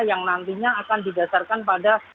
yang nantinya akan didasarkan pada